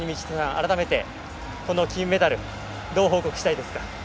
改めて、この金メダルどう報告したいですか？